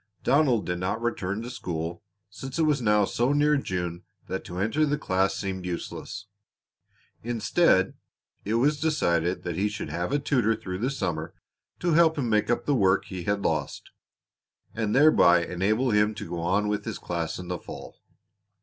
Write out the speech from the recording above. Donald did not return to school, since it was now so near June that to enter the class seemed useless; instead it was decided that he should have a tutor through the summer to help him make up the work he had lost, and thereby enable him to go on with his class in the fall.